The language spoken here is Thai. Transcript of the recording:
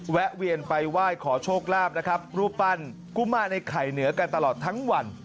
แวะเวียนไปไหว้ขอโชคลาภนะครับรูปปั้นกุมารในไข่เหนือกันตลอดทั้งวัน